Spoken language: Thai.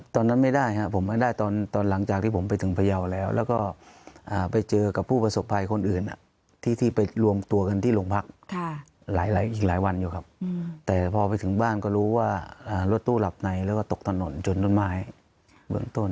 ตอนนั้นไม่ได้ครับผมไม่ได้ตอนหลังจากที่ผมไปถึงพยาวแล้วแล้วก็ไปเจอกับผู้ประสบภัยคนอื่นที่ไปรวมตัวกันที่โรงพักหลายอีกหลายวันอยู่ครับแต่พอไปถึงบ้านก็รู้ว่ารถตู้หลับในแล้วก็ตกถนนจนต้นไม้เบื้องต้น